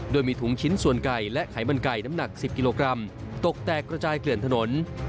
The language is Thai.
โดยมีถุงชิ้นส่วนไก่และไขมันไก่น้ำหนัก๑๐กิโลกรัมตกแตกระจายเกลื่อนถนน